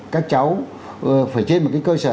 các cháu phải trên một cái cơ sở